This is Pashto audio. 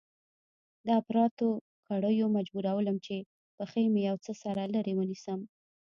د اپراتو کړيو مجبورولم چې پښې مې يو څه سره لرې ونيسم.